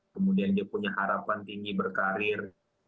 kemudian dia punya harapan tinggi berkarir